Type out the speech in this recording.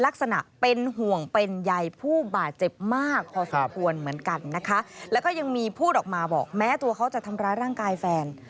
กันนะคะแล้วก็ยังมีผู้ออกมาบอกแม้ตัวเขาจะทำร้ายร่างกายแฟน